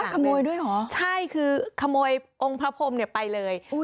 ขโมยด้วยเหรอใช่คือขโมยองค์พระพรมเนี่ยไปเลย